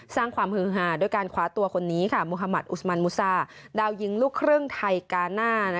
สร้างความฮือหาด้วยการคว้าตัวคนนี้มุธมัติอุสมันมูซาดาวยิงลูกครึ่งไทยกาน่า